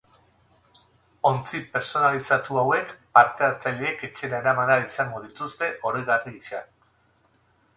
Ontzi pertsonalizatu hauek parte hartzaileek etxera eraman ahal izango dituzte oroigarri gisa.